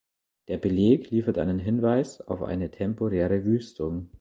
Der Beleg liefert einen Hinweis auf eine temporäre Wüstung.